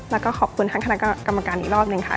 แล้วก็ขอบคุณทั้งคณะกรรมการอีกรอบหนึ่งค่ะ